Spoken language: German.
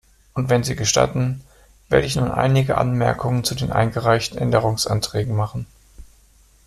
Und wenn Sie gestatten, werde ich nun einige Anmerkungen zu den eingereichten Änderungsanträgen machen.